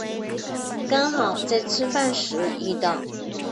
刚好在吃饭时遇到